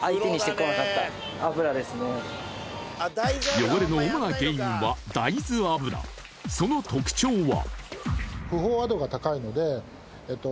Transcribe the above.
汚れの主な原因は大豆油、その特徴は？